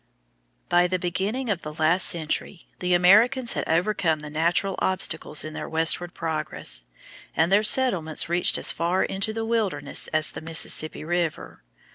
By the beginning of the last century the Americans had overcome the natural obstacles in their westward progress, and their settlements reached as far into the wilderness as the Mississippi River.